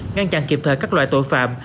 ngăn chặn kịp thời các loại tội phạm